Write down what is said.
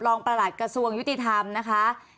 ประหลัดกระทรวงยุติธรรมนะคะ